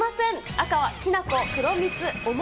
赤はきな粉、黒蜜、お餅。